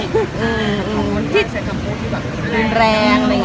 หรือคนที่แรงอะไรเงี้ย